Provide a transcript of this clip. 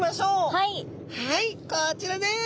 はいこちらです！